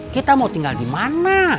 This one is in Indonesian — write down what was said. kita mau tinggal di mana